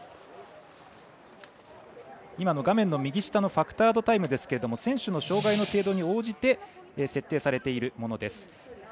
画面右下のファクタードタイムですが選手の障がいの程度に応じて設定されているものです。